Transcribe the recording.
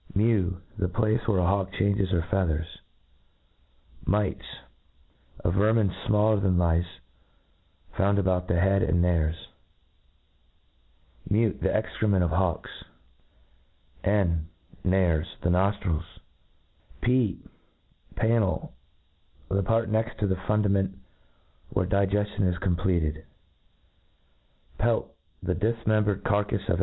Mew ; the place where a hawk changes her fea* thers Mites J avermine, fmaller than lice, found a* bout the head and nares Mute \ the excrement of hawks* N Nares; thejaoftrils* P Pannel; the part next the fundament^ ^hert digeftion is completed Pelt? the difmembcred carcafc of.